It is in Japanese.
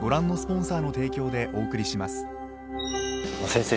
先生